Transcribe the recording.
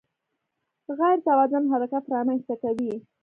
غیر توازن حرکت رامنځته کوي.